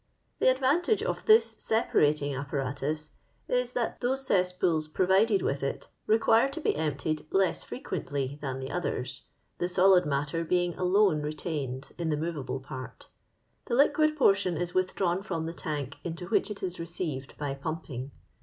" The advantage of this separating ap paratus is, that those cesspools provided with it require to be emptied less frequently than the others ; the solid matter being alone retained in the movablo part. Tho liquid portion is withdrawn from the tank into which it is received by pumping.